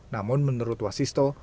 namun menurut wasisto